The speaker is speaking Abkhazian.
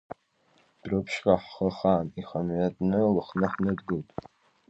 Дәрыԥшьҟа ҳхы хан, иҳамҩатәны Лыхны ҳныдгылт.